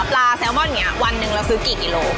หัวปลาแซลมอนเนี่ยวันหนึ่งเราซื้อกี่กิโล